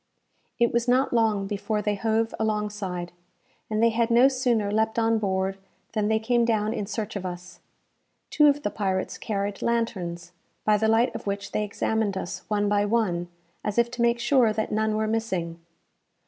It was not long before they hove alongside, and they had no sooner leapt on board, than they came down in search of us. Two of the pirates carried lanterns, by the light of which they examined us one by one, as if to make sure that none were missing.